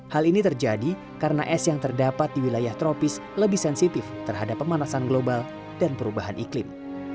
hal ini terjadi karena es yang terdapat di wilayah tropis lebih sensitif terhadap pemanasan global dan perubahan iklim